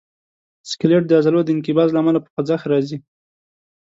سکلیټ د عضلو د انقباض له امله په خوځښت راځي.